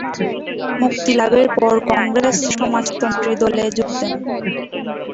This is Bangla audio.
মুক্তিলাভের পর কংগ্রেস সমাজতন্ত্রী দলে যোগ দেন।